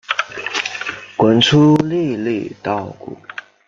滚出粒粒稻谷